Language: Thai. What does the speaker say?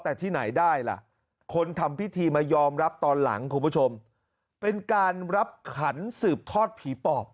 แต่ที่ไหนได้ล่ะคนทำพิธีมายอมรับตอนหลังคุณผู้ชมเป็นการรับขันสืบทอดผีปอบ